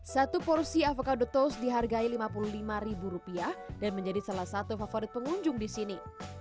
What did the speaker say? satu porsi avocado toast dihargai lima puluh lima dan menjadi salah satu favorit pengunjung di sini